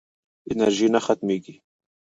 انرژي نه ختمېږي.